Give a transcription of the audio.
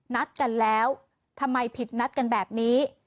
นัดกันแล้วทำไมผิดนัดกันแบบนี้